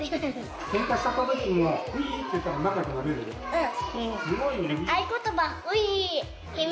うん。